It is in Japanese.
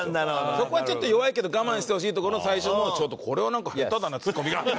そこはちょっと弱いけど我慢してほしいとこの最初も「ちょっとこれはなんか下手だなツッコミが」。